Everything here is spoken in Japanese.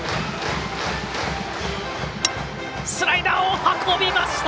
スライダーを運びました！